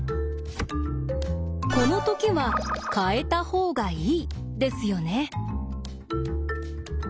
このときは変えた方がいいですよね？